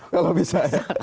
kalau bisa ya